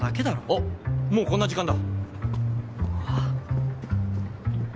あっもうこんな時間だ。